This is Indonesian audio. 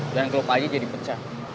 dan klub aja jadi pecah